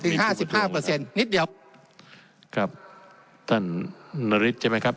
ห้าสิบห้าเปอร์เซ็นต์นิดเดียวครับท่านนฤทธิ์ใช่ไหมครับ